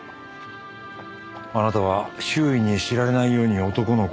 あなたは周囲に知られないように男の子を産んだ。